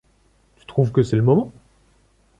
Tu trouves que c’est le moment ?